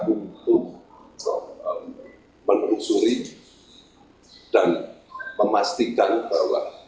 untuk menelusuri dan memastikan bahwa